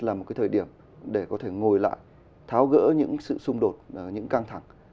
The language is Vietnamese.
là một cái thời điểm để có thể ngồi lại tháo gỡ những sự xung đột những căng thẳng